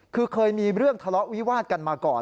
คือเคยมีเรื่องทะเลาะวิวาดกันมาก่อน